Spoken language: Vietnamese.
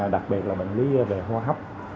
đặc biệt là bệnh lý về hô hấp